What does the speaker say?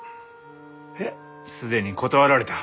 えっ？既に断られた。